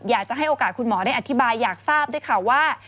อยากจะให้โอกาสคุณหมอได้อธิบายอยากทราบด้วยค่ะว่า